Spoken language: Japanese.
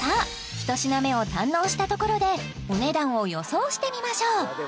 １品目を堪能したところでお値段を予想してみましょう